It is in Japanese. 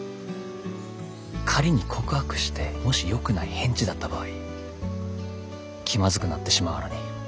仮に告白してもしよくない返事だった場合気まずくなってしまうアラニ。